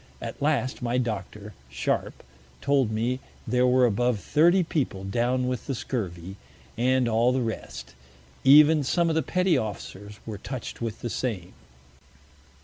At last, my Doctor, Sharp, told me there were above Thirty People down with the Scurvy, and all the rest, even some of the Petty Officers, were touch'd with the same.